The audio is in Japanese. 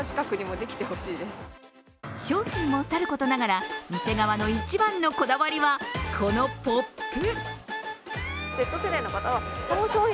商品もさることながら店側の一番のこだわりはこのポップ。